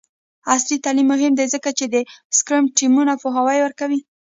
عصري تعلیم مهم دی ځکه چې د سکرم ټیمونو پوهاوی ورکوي.